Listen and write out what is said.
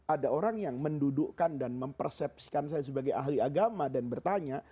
ada orang yang mendudukkan dan mempersepsikan saya sebagai ahli agama dan bertanya